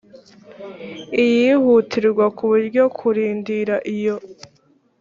iyihutirwa kuburyo kurindira iyo